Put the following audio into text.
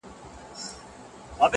میاشته کېږي بې هویته. بې فرهنګ یم.